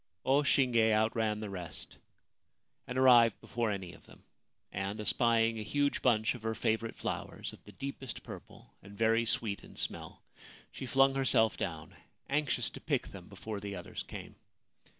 O Shinge outran the rest, and arrived before any of them ; and, espying a huge bunch of her favourite flowers, of the deepest purple and very sweet in smell, she flung herself down, anxious to pick them before the others came.